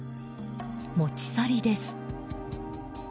持ち去りです。